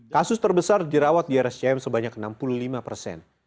kasus terbesar dirawat di rscm sebanyak enam puluh lima persen